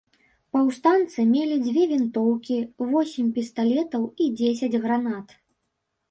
Паўстанцы мелі дзве вінтоўкі, восем пісталетаў і дзесяць гранат.